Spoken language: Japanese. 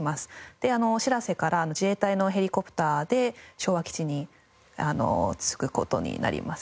でしらせから自衛隊のヘリコプターで昭和基地に着く事になります。